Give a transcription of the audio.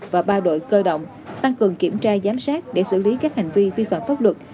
và ba đội cơ động tăng cường kiểm tra giám sát để xử lý các hành vi vi phạm pháp luật